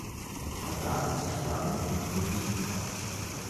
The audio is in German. Aber daran zu sparen, finden wir nicht in Ordnung.